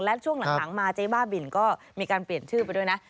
และช่วงหลังมาเจ๊บ้าบินก็มีการเปลี่ยนชื่อไปด้วยนะ